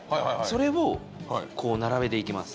それをこう並べていきます